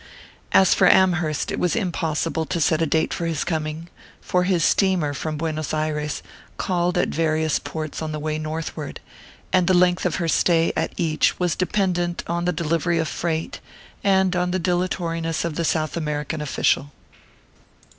As for Amherst, it was impossible to set a date for his coming, for his steamer from Buenos Ayres called at various ports on the way northward, and the length of her stay at each was dependent on the delivery of freight, and on the dilatoriness of the South American official.